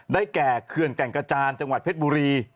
ได้แก่เคือนแก่งกระจานจังหวัดเผ็ดบุรี